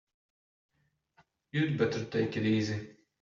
You'd better take it easy.